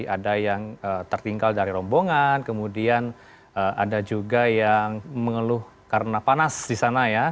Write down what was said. ada yang tertinggal dari rombongan kemudian ada juga yang mengeluh karena panas di sana ya